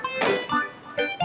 aduh aku bisa